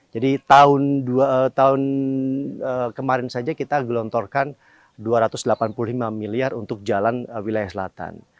jadi tahun kemarin saja kita gelontorkan dua ratus delapan puluh lima miliar untuk jalan wilayah selatan